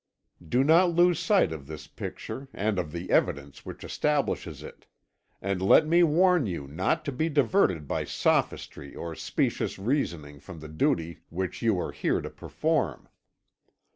"Do not lose sight of this picture and of the evidence which establishes it; and let me warn you not to be diverted by sophistry or specious reasoning from the duty which you are here to perform.